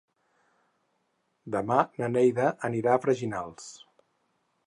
Demà na Neida anirà a Freginals.